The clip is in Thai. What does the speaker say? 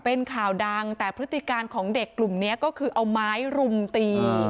เป็นข่าวดังแต่พฤติการของเด็กกลุ่มนี้ก็คือเอาไม้รุมตี